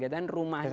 dan rumahnya ini